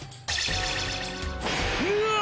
うわ！